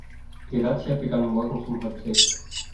Die Razzia begann morgens um halb sechs.